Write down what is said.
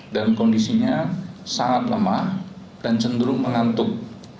dan kondisinya sangat lemah dan cenderung mengantuk